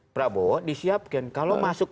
prabowo disiapkan kalau masukkan